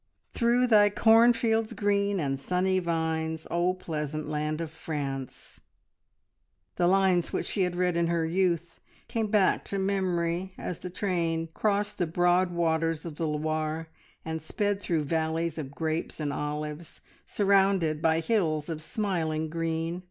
"Through thy cornfields green, and sunny vines, O pleasant land of France." The lines which she had read in her youth came back to memory as the train crossed the broad waters of the Loire and sped through valleys of grapes and olives, surrounded by hills of smiling green.